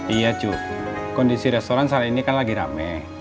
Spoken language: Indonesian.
iya cukup kondisi restoran saat ini kan lagi rame